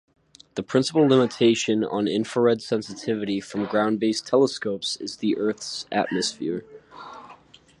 The principal limitation on infrared sensitivity from ground-based telescopes is the Earth's atmosphere.